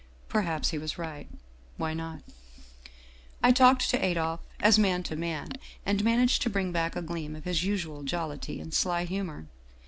Perhaps he was right why not? " I talked to Adolphe as man to man, and managed to bring back a gleam of his usual jollity and sly humor.